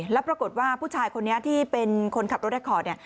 แล้วปรากฏว่าผู้ชายคนนี้ที่เป็นคนขับรถแคคอร์ดเนี่ย